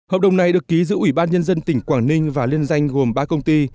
hợp đồng này được ký giữa ủy ban nhân dân tỉnh quảng ninh và liên danh gồm ba công ty